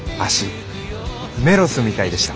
メロスみたいでした。